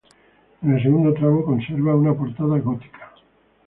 En el segundo tramo, conserva una "portada" gótica.